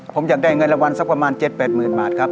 ผมอยากได้เงินละวันสักประมาณเจ็ดแปดหมื่นบาทครับ